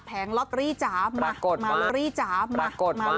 แผงล็อตรี่จ๊าบมามารี่จ๊าบมา